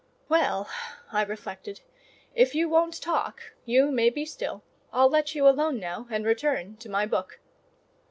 "Well," I reflected, "if you won't talk, you may be still; I'll let you alone now, and return to my book."